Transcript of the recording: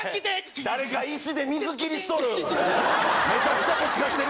誰か石で水切りしとる。